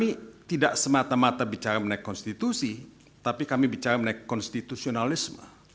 ini tidak semata mata bicara mengenai konstitusi tapi kami bicara mengenai konstitusionalisme